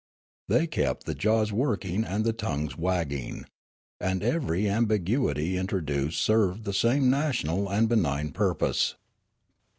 They kept the jaws work ing and the tongues wagging. And ever}' ambiguity introduced served the same national and benign purpose.